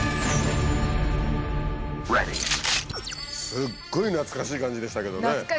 すっごい懐かしい感じでしたけどね。